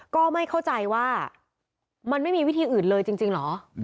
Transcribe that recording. ก็ไม่เข้าใจว่ามันไม่มีวิธีอื่นเลยจริงเหรอ